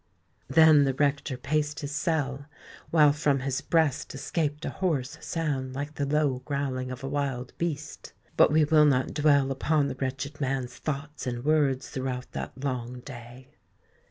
Then the rector paced his cell, while from his breast escaped a hoarse sound like the low growling of a wild beast. But we will not dwell upon the wretched man's thoughts and words throughout that long day.